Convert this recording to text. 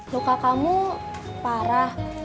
luka kamu parah